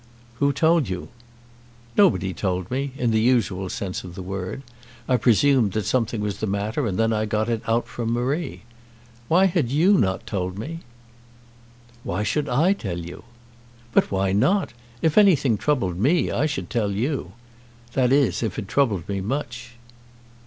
"Who told you?" "Nobody told me, in the usual sense of the word. I presumed that something was the matter, and then I got it out from Marie. Why had you not told me?" "Why should I tell you?" "But why not? If anything troubled me I should tell you. That is, if it troubled me much."